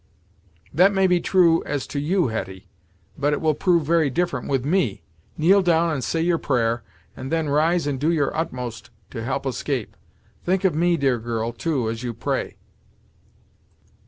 "That may be true as to you, Hetty, but it will prove very different with me. Kneel down and say your prayer, and then rise and do your utmost to help escape. Think of me, dear girl, too, as you pray."